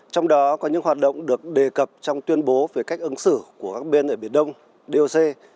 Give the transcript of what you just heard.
trong đó có những hoạt động được đề cập trong tuyên bố về cách ứng xử của các bên ở biển đông doc